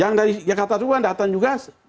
yang dari jakarta juga datang juga